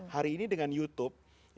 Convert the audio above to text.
hari ini dengan youtube